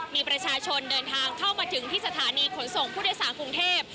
มีประชาชนเดินทางเข้ามาถึงที่สถานีขนส่งผู้โดยสารกรุงเทพ